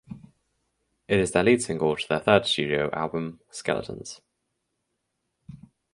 It is the lead single to their third studio album "Skeletons".